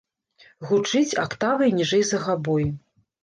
Гучыць актавай ніжэй за габой.